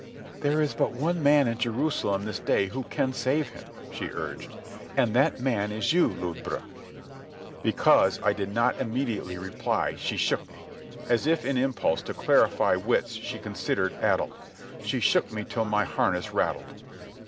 "There is but one man in Jerusalem this day who can save Him," she urged, "and that man is you, Lodbrog." Because I did not immediately reply she shook me, as if in impulse to clarify wits she considered addled. She shook me till my harness rattled.